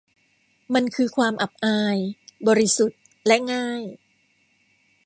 มันคือความอับอาย บริสุทธิ์และง่าย